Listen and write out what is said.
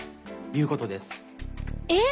えっ？